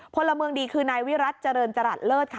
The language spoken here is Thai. พลดคือนายวิรัติเจริญจรัตน์เลอดค่ะ